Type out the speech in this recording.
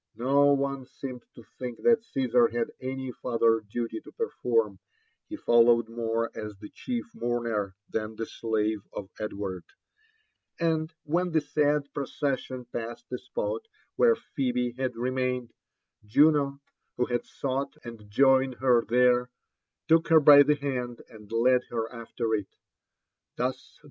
No one seemed to think that Caesar had any farther duly to perform — ^he fol lowed more as the chief mourner than the slave of Edward ; and when the sad procession passed the spot where Phebe had remained,, Juno, who had sought and joined her there, took her by the hand and led her after it. Thus the